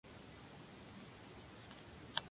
Hideyuki Ishida